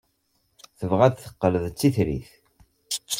Tebɣa ad teqqel d titrit.